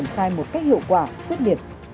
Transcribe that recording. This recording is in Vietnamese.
khai một cách hiệu quả quyết liệt